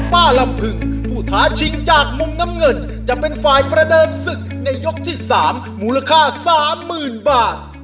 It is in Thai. ป้าละพึงผู้ท้าชิงจากมงน้ำเงินจะเป็นฝ่ายประเดิมศึกในยกที่สามมูลค่าสามหมื่นบาท